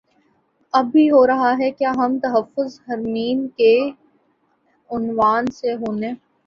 اب بھی ہو رہاہے کیا ہم تحفظ حرمین کے عنوان سے ہونے